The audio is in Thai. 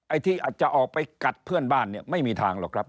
ที่อาจจะออกไปกัดเพื่อนบ้านเนี่ยไม่มีทางหรอกครับ